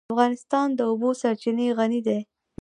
افغانستان په د اوبو سرچینې غني دی.